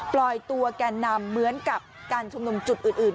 ปล่อยตัวแกนนำเหมือนกับการชุมนุมจุดอื่น